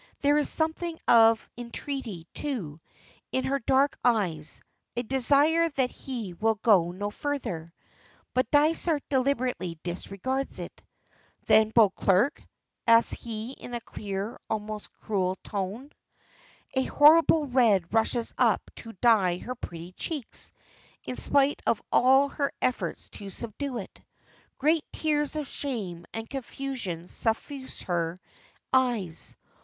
There is something of entreaty, too, in her dark eyes, a desire that he will go no further. But Dysart deliberately disregards it. "Than Beauclerk?" asks he in a clear, almost cruel tone. A horrible red rushes up to dye her pretty cheeks, in spite of all her efforts to subdue it. Great tears of shame and confusion suffuse her eyes.